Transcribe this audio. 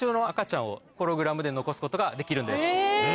ホログラムで残すことができるんです。